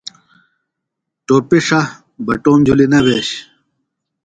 ٹوۡپیۡ ݜہ، بٹوم جُھلیۡ نہ بھیش۔